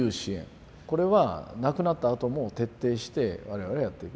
これは亡くなったあとも徹底して我々はやってきた。